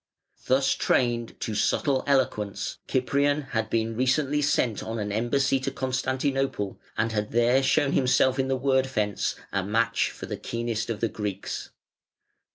Thus trained to subtle eloquence, Cyprian had been recently sent on an embassy to Constantinople, and had there shown himself in the word fence a match for the keenest of the Greeks.